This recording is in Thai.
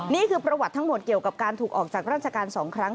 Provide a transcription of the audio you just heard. นี่คือประวัติทั้งหมดเกี่ยวกับการถูกออกจากราชการ๒ครั้ง